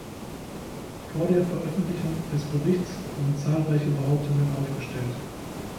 Vor der Veröffentlichung des Berichts wurden zahlreiche Behauptungen aufgestellt.